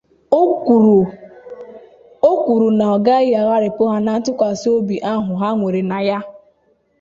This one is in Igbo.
O kwuru na ọ gaghị agharịpụ ha na ntụkwasiobi ahụ ha nwere na ya